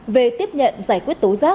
về tiếp nhận giải quyết tố tụng hình sự